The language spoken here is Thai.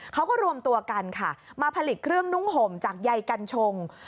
เขาก็รวมตัวกันค่ะมาผลิตเครื่องนุ่งห่มจากใยกัญชง